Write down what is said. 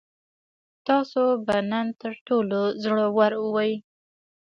تاسو به نن تر ټولو زړور وئ.